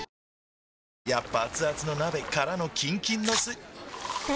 やっぱアツアツの鍋からのキンキンのスん？